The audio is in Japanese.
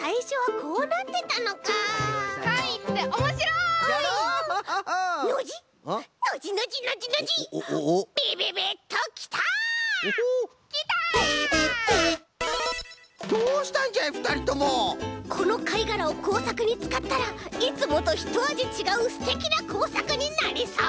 このかいがらをこうさくにつかったらいつもとひとあじちがうすてきなこうさくになりそう！